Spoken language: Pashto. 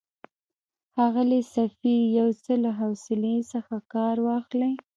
ښاغلی سفیر، یو څه له حوصلې څخه کار واخلئ.